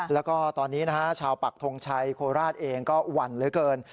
แล้วก็ตอนนี้นะฮะชาวปักทงชัยโคราชเองก็หวั่นเหลือเกิน